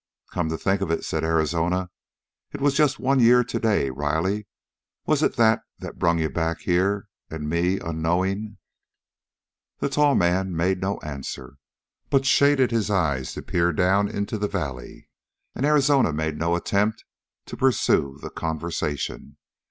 "Come to think of it," said Arizona, "it's just one year today. Riley, was it that that brung you back here, and me, unknowing?" The tall man made no answer, but shaded his eyes to peer down into the valley, and Arizona made no attempt to pursue the conversation.